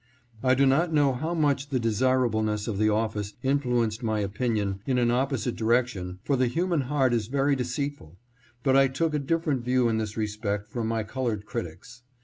I do not know how much the desir ableness of the office influenced my opinion in an opposite direction, for the human heart is very deceit ful, but I took a different view in this respect from my colored critics.